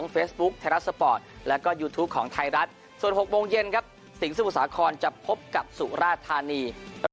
เฟซบุ๊คไทยรัฐสปอร์ตแล้วก็ยูทูปของไทยรัฐส่วน๖โมงเย็นครับสิงสมุทรสาครจะพบกับสุราธานี